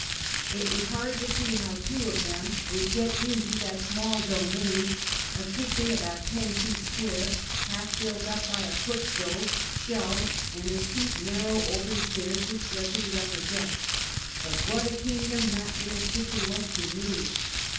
It was hard to see how two of them would get into that small domain, a kitchen about ten feet square, half filled by a cook stove, shelves, and the steep, nar row, open stairs which led to the upper deck; but what a kingdom that little kitchen was to me!